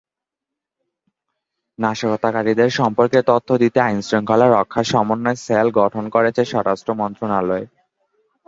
নাশকতাকারীদের সম্পর্কে তথ্য দিতে আইনশৃঙ্খলা রক্ষা সমন্বয় সেল গঠন করেছে স্বরাষ্ট্র মন্ত্রণালয়।